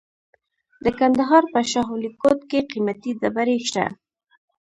د کندهار په شاه ولیکوټ کې قیمتي ډبرې شته.